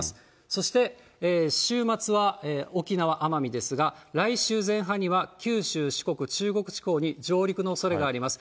そして週末は、沖縄・奄美ですが、来週前半には九州、四国、中国地方に上陸のおそれがあります。